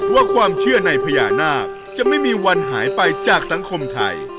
ว่าความเชื่อในพญานาคจะไม่มีวันหายไปจากสังคมไทย